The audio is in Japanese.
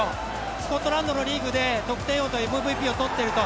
スコットランドリーグで得点王とＭＶＰを取っていると。